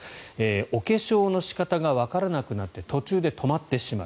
お化粧の仕方がわからなくなって途中で止まってしまう。